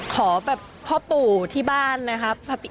ขอแบบพ่อปู่ที่บ้านนะครับ